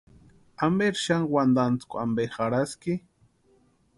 ¿Amperi xani wantantskwa ampe jarhaski?